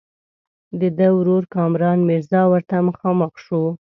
د ده ورور کامران میرزا ورته مخامخ شو.